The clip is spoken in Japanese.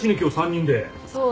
そう。